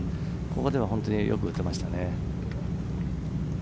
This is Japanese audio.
ここでは本当によく打てました。